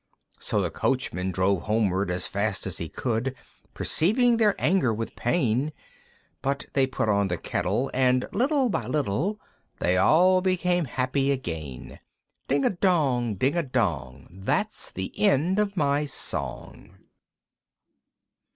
So the Coachman drove homeward as fast as he could, Perceiving their anger with pain; But they put on the kettle, and little by little They all became happy again. Ding a dong! Ding a dong! There's an end of my song!